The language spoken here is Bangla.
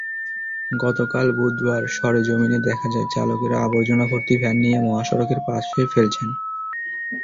গতকাল বুধবার সরেজমিনে দেখা যায়, চালকেরা আবর্জনাভর্তি ভ্যান নিয়ে মহাসড়কের পাশে ফেলছেন।